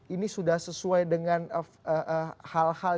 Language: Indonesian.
ini sudah sesuai dengan hal hal